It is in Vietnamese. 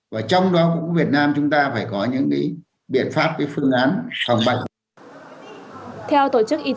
và trong đó cũng việt nam chúng ta phải có những biện pháp phương án phòng bệnh